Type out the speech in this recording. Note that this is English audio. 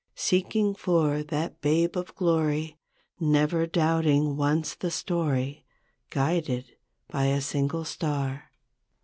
Seeking for that Babe of Glory, Never doubting once, the story, Guided by a single star.